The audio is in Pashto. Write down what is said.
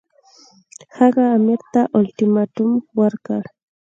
هغه امیر ته اولټیماټوم ورکړ.